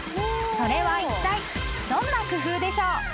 ［それはいったいどんな工夫でしょう？］